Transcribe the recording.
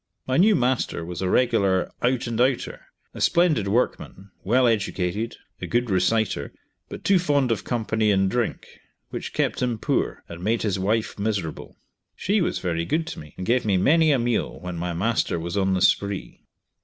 My new master was a regular "out and outer" a splendid workman, well educated, a good reciter, but too fond of company and drink, which kept him poor, and made his wife miserable. She was very good to me, and gave me many a meal when my master was on the spree.